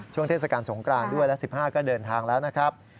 เทศกาลสงกรานด้วยและ๑๕ก็เดินทางแล้วนะครับ